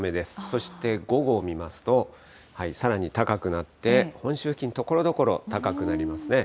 そして午後を見ますと、さらに高くなって、本州付近、ところどころ高くなりますね。